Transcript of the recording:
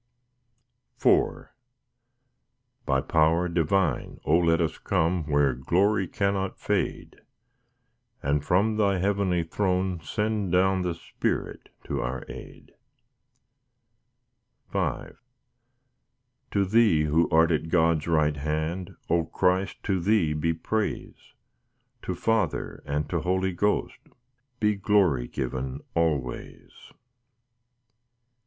IV By power divine, O let us come Where glory cannot fade; And from Thy heavenly throne send down The Spirit to our aid. V To Thee who art at God's right hand, O Christ, to Thee be praise, To Father, and to Holy Ghost, Be glory given always.